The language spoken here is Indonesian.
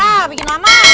ah bikin lama